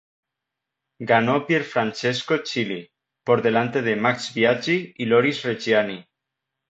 Ganó Pierfrancesco Chili, por delante de Max Biaggi y Loris Reggiani.